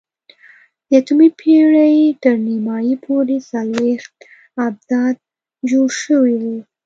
د اتمې پېړۍ تر نیمايي پورې څلوېښت ابدات جوړ شوي وو.